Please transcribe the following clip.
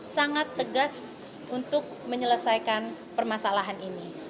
sangat tegas untuk menyelesaikan permasalahan ini